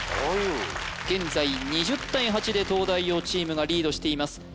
現在２０対８で東大王チームがリードしています